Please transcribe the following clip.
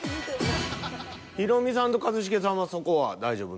ヒロミさんと一茂さんはそこは大丈夫？